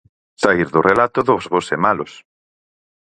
Saír do relato dos bos e malos.